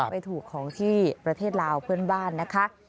ไปถูกของที่ประเทศลาวเพื่อนบ้านนะคะ